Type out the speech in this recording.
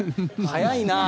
早いな。